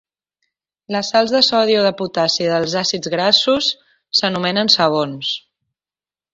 Les sals de sodi o de potassi dels àcids grassos s'anomenen sabons.